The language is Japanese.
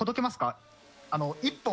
１本。